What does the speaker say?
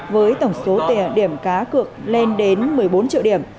với tổng số điểm cá cực lên đến một mươi bốn triệu điểm